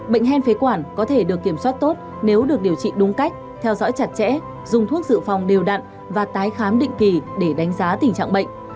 bệnh hen phế quản có thể được kiểm soát tốt nếu được điều trị đúng cách theo dõi chặt chẽ dùng thuốc dự phòng đều đặn và tái khám định kỳ để đánh giá tình trạng bệnh